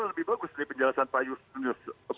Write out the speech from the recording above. malah lebih bagus nih penjelasan pak ayus linus